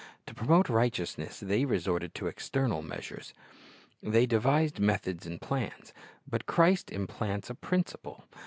To promote righteousness they resorted to external measures. They devised methods and plans. But Christ implants a principle.